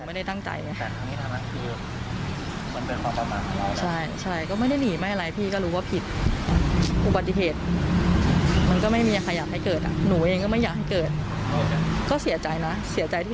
ยิ่งง่ายยังเจอผู้ที่ทำเนื้ออย่างนี้ทั้ง๓คนเจ็บใจดี